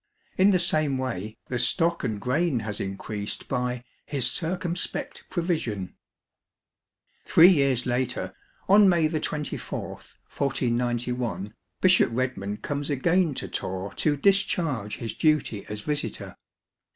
In the same way the stock and grain has increased by " his circumspect pro vision." Three years later, on May 24, 1491, Bishop Redman comes again to Torre to discharge his duty as visitor.